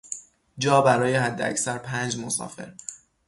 جا برای حداکثر پنج مسافر